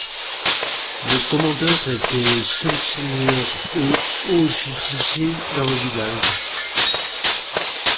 Le commandeur était seul seigneur et haut-justicier dans le village.